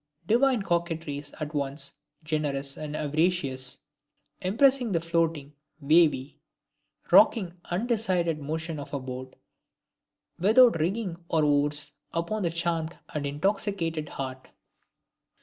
"Divine coquetries" at once generous and avaricious; impressing the floating, wavy, rocking, undecided motion of a boat without rigging or oars upon the charmed and intoxicated heart!